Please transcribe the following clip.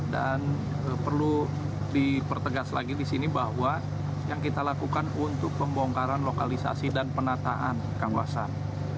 dan perlu dipertegas lagi di sini bahwa yang kita lakukan untuk pembongkaran lokalisasi dan penataan kangguasan